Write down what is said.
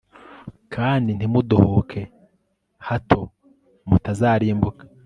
kandi ntimudohoke, hato mutazarimbuka